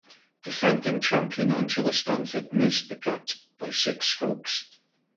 Defending champion Angela Stanford missed the cut by six strokes.